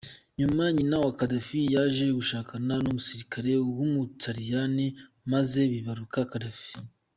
Nyuma nyina wa Gaddafi yaje gushakana n’umusirikare w’umutaliyani maze bibaruka Gaddafi.